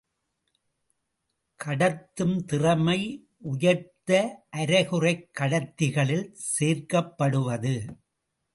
கடத்தும் திறனை உயர்த்த அரைகுறைக் கடத்திகளில் சேர்க்கப்படுவது.